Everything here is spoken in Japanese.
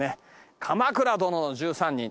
『鎌倉殿の１３人』。